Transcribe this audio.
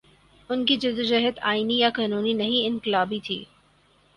ان کی جد وجہد آئینی یا قانونی نہیں، انقلابی تھی۔